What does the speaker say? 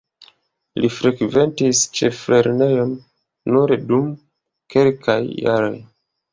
Li frekventis ĉeflernejon nur dum kelkaj jaroj.